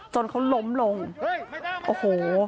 จนเขาล้มลงโอ้โห